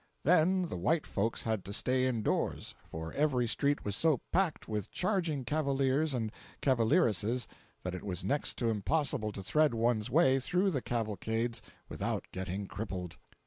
Then the white folks had to stay indoors, for every street was so packed with charging cavaliers and cavalieresses that it was next to impossible to thread one's way through the cavalcades without getting crippled.